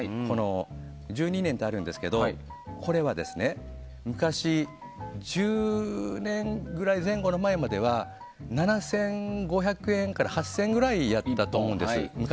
１２年ってあるんですが昔、１０年ぐらい前後前までは７５００円から８０００円くらいだったと思うんです。